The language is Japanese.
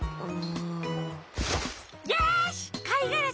よしかいがら